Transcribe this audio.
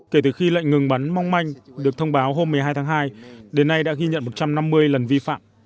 kể từ khi lệnh ngừng bắn mong manh được thông báo hôm một mươi hai tháng hai đến nay đã ghi nhận một trăm năm mươi lần vi phạm